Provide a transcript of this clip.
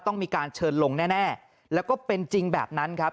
ต้องมีการเชิญลงแน่แล้วก็เป็นจริงแบบนั้นครับ